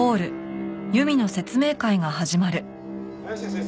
早瀬先生